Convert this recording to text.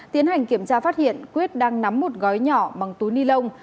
tiến hành kiểm tra phát hiện quyết đang nắm một gói nhỏ bằng túi ni lông